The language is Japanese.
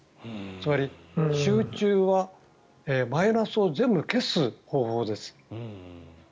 つまり、集中はマイナスを全部消す方法です。